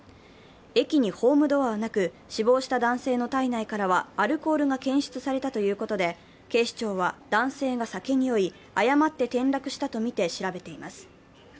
駅にホームドアはなく、死亡した男性の体内からはアルコールが検出されたということで警視庁は男性が酒に酔い誤って転落したとみて調べています。